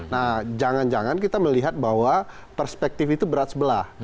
nah jangan jangan kita melihat bahwa perspektif itu berat sebelah